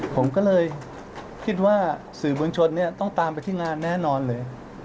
ผมก็เลยคิดว่าสื่อมวลชนต้องตามไปที่งานแน่นอนเลย